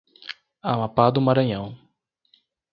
Amapá do Maranhão